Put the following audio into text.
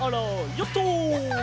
ヨット！